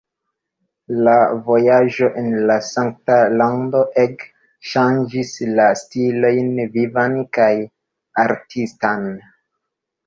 La vojaĝo en la Sankta Lando ege ŝanĝis la stilojn vivan kaj artistan.